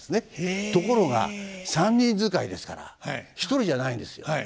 ところが三人遣いですから１人じゃないんですよ。